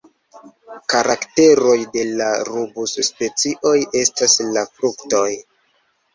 Karakteroj de la rubus-specioj estas la fruktoj.